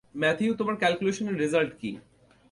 Matthew, তোমার ক্যালকুলেশনের result কী?